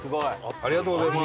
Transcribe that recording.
ありがとうございます。